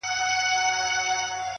ويل پلاره پاچا لوڅ روان دئ گوره-